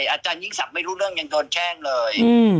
อาจารยิ่งศักดิ์ไม่รู้เรื่องยังโดนแช่งเลย